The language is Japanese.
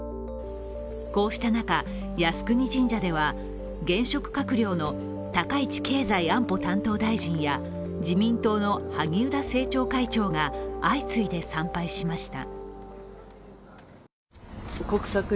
こうした中、靖国神社では現職閣僚の高市経済安保担当大臣や自民党の萩生田政調会長が相次いで参拝しました。